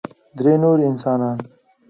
درې نور انسانان